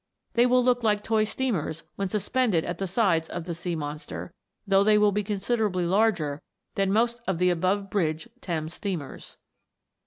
They will look like toy steamers when sus pended at the sides of the sea monster, though they will be considerably larger than most of the above bridge Thames steamers.